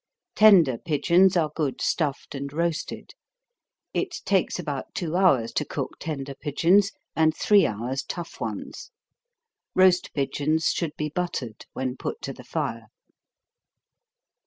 Tender pigeons are good stuffed and roasted. It takes about two hours to cook tender pigeons, and three hours tough ones. Roast pigeons should be buttered when put to the fire.